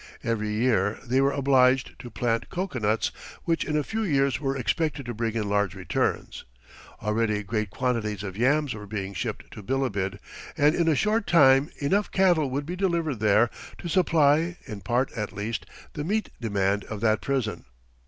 Every year they were obliged to plant cocoanuts, which in a few years were expected to bring in large returns. Already great quantities of yams were being shipped to Bilibid, and in a short time enough cattle would be delivered there to supply, in part at least, the meat demand of that prison.